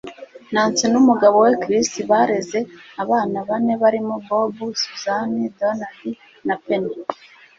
Nancy n'umugabo we Chris bareze abana bane barimo Bob, Susan, Donald na Penny.